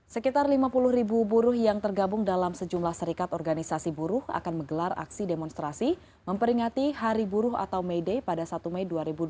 sekitar lima puluh ribu buruh yang tergabung dalam sejumlah serikat organisasi buruh akan menggelar aksi demonstrasi memperingati hari buruh atau may day pada satu mei dua ribu dua puluh